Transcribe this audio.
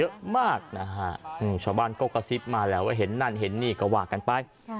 เยอะมากนะฮะชาวบ้านก็กระซิบมาแล้วว่าเห็นนั่นเห็นนี่ก็ว่ากันไป